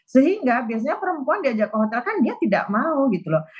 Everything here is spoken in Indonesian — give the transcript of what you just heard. sehingga biasanya perempuan diajak ke hotel kan dia tidak mau gitu loh